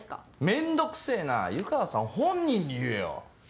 めんどくせぇな湯川さん本人に言えよ。